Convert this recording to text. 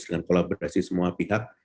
dengan kolaborasi semua pihak